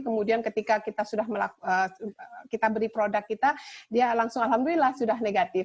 kemudian ketika kita sudah melakukan kita beri produk kita dia langsung alhamdulillah sudah negatif